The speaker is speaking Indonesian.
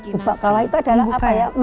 bubak kawah itu adalah apa ya